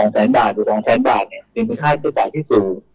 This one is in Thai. สุด๒๐๐๐๐๐บาทสุด๒๐๐๐๐๐บาทเป็นค่าใช้จ่ายที่สูง